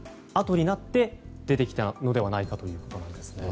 あとになって出てきたのではないかということです。